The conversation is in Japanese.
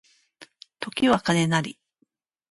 時は金なり